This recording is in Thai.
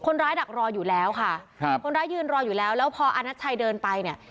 ดักรออยู่แล้วค่ะครับคนร้ายยืนรออยู่แล้วแล้วพออาณัชชัยเดินไปเนี่ย